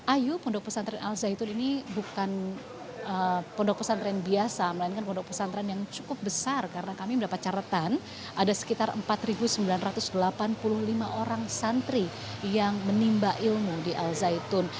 ayu pondok pesantren al zaitun ini bukan pondok pesantren biasa melainkan pondok pesantren yang cukup besar karena kami mendapat catatan ada sekitar empat sembilan ratus delapan puluh lima orang santri yang menimba ilmu di al zaitun